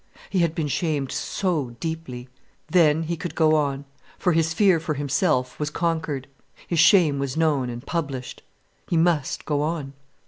He had been shamed so deeply. Then he could go on, for his fear for himself was conquered. His shame was known and published. He must go on.